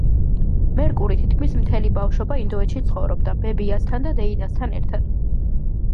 მერკური თითქმის მთელი ბავშვობა ინდოეთში ცხოვრობდა ბებიასთან და დეიდასთან ერთად.